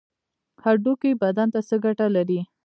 هډوکي بدن ته څه ګټه لري؟